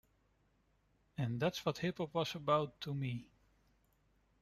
And that's what hip-hop was about to me.